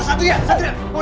satu ya satu ya